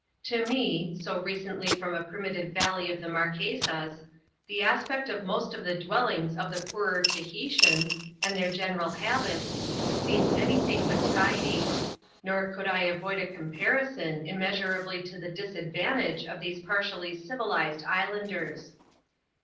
To me, so recently from a primitive valley of the Marquesas, the aspect of most of the dwellings of the poorer Tahitians, and their general habits, seemed any thing but tidy ; nor could I avoid a comparison, immeasurably to the disadvantage of these partially civilized islanders.